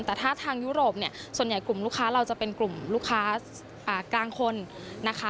แต่ถ้าทางยุโรปเนี่ยส่วนใหญ่กลุ่มลูกค้าเราจะเป็นกลุ่มลูกค้ากลางคนนะคะ